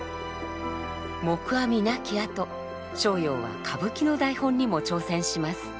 黙阿弥亡き後逍遙は歌舞伎の台本にも挑戦します。